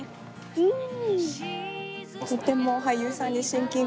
うん。